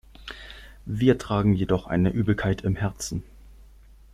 Wir tragen jedoch eine Übelkeit im Herzen.